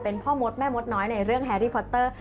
เป็นพ่อมดแม่มดน้อยในเรื่องแฮรี่พอตเตอร์